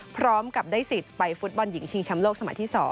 พร้อมกับได้สิทธิ์ไปฟุตบอลหญิงชิงแชมป์โลกสมัยที่๒